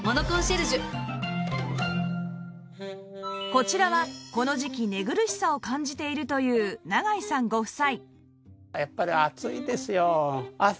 こちらはこの時季寝苦しさを感じているという永井さんご夫妻